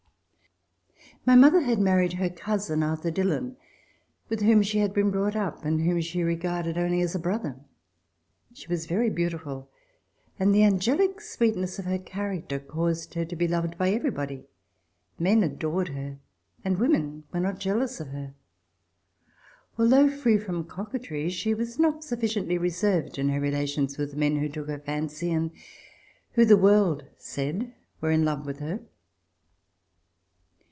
CO CHILDHOOD OF MLLE. DILLON My mother had married her cousin, Arthur Dillon, with whom she had been brought up, and whoni she regarded only as a brother. She was very beautiful, and the angelic sweetness of her character caused her to be loved by everybody. Men adored her, and women were not jealous of her. Although free from coquetry, she was not sufficiently reserved in her relations with men who took her fancy and who, the world said, were in love with her.